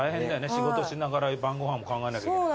仕事しながら晩ご飯も考えなきゃいけない。